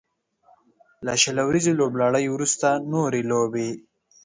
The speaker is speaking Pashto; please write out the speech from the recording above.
له شل اوريزې لوبلړۍ وروسته نورې لوبې